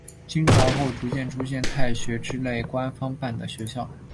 清朝后逐渐出现太学之类官方办的学校。